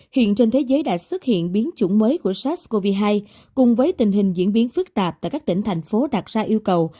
hiện trên thế giới đã xuất hiện biến chủng mới của sars cov hai cùng với tình hình diễn biến phức tạp tại các tỉnh thành phố đặt ra yêu cầu